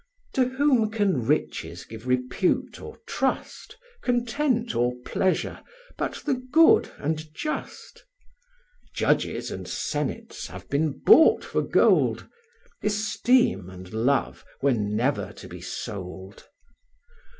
To whom can riches give repute or trust, Content, or pleasure, but the good and just? Judges and senates have been bought for gold, Esteem and love were never to be sold.